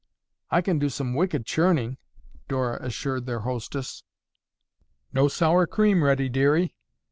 "I can do some wicked churning," Dora assured their hostess. "No sour cream ready, dearie."